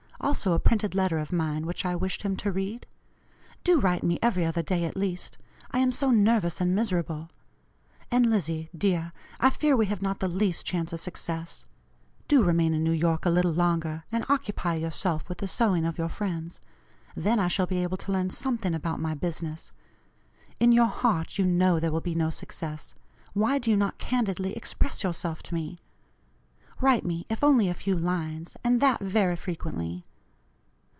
also a printed letter of mine, which I wished him to read? Do write me every other day at least, I am so nervous and miserable. And Lizzie, dear, I fear we have not the least chance of success. Do remain in New York a little longer, and occupy yourself with the sewing of your friends. Then I shall be able to learn _some_thing about my business. In your heart you know there will be no success. Why do you not candidly express yourself to me? Write me, if only a few lines, and that very frequently.